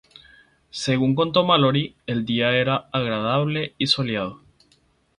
Según contó Mallory, el día era agradable y soleado.